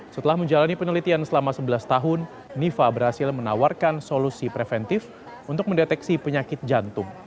setelah menjalani penelitian selama sebelas tahun nifa berhasil menawarkan solusi preventif untuk mendeteksi penyakit jantung